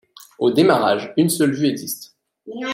Au démarrage, une seule vue existe.